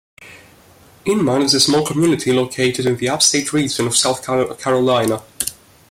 Inman is a small community located in the Upstate region of South Carolina.